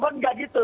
cuma gak gitu